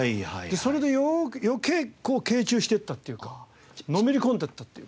それで余計こう傾注していったっていうかのめり込んでいったっていうか。